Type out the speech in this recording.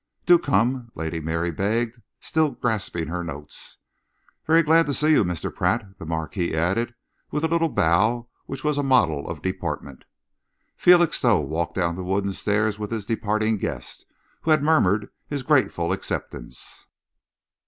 "Do come," Lady Mary begged, still grasping her notes. "Very glad to see you, Mr. Pratt," the Marquis added, with a little bow which was a model of deportment. Felixstowe walked down the wooden stairs with his departing guest, who had murmured his grateful acceptance.